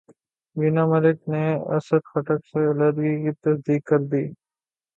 وینا ملک نے اسد خٹک سے علیحدگی کی تصدیق کردی